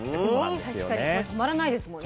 でも確かにこれ止まらないですもんね。